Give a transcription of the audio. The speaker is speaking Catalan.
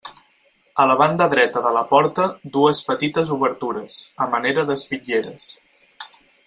A la banda dreta de la porta dues petites obertures, a manera d'espitlleres.